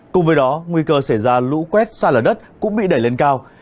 cùng với đó nguy cơ xảy ra lũ quét xa lở đất cũng bị đẩy lên cao